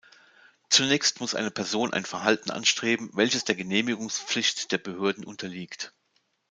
Zunächst muss eine Person ein Verhalten anstreben, welches der Genehmigungspflicht der Behörde unterliegt.